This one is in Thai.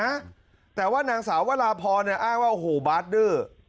นะแต่ว่านางสาววราพรเนี่ยอ้างว่าโอ้โหบาสดื้อ